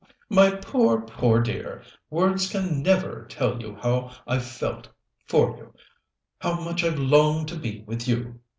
"My poor, poor dear! Words can never tell you how I've felt for you how much I've longed to be with you!"